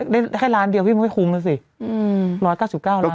ได้ได้แค่ล้านเดียวพี่มันไม่คุ้มแล้วสิอืมร้อยเก้าสิบเก้าล้าน